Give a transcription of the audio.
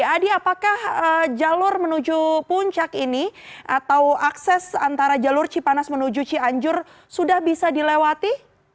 adi apakah jalur menuju puncak ini atau akses antara jalur cipanas menuju cianjur sudah bisa dilewati